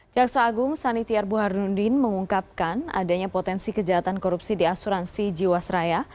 jaksa agung sanityar buharudin mengungkapkan adanya potensi kejahatan korupsi di asuransi jiwasraya